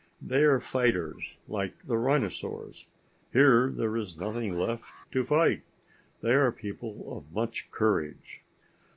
"They are fighters, like the rhinosaurs. Here there is nothing left to fight. They are people of much courage."